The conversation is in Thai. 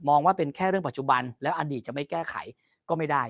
ว่าเป็นแค่เรื่องปัจจุบันแล้วอดีตจะไม่แก้ไขก็ไม่ได้